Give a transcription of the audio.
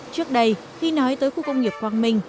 trước đây khi nói tới khu công nghiệp quang minh